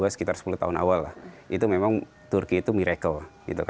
sekitar sepuluh tahun awal lah itu memang turki itu miracle